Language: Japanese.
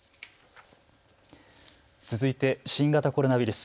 続いて新型コロナウイルス。